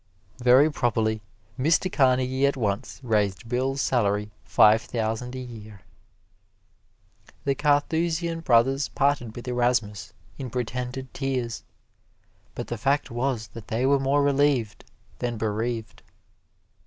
Very properly Mr. Carnegie at once raised Bill's salary five thousand a year. The Carthusian Brothers parted with Erasmus in pretended tears, but the fact was they were more relieved than bereaved.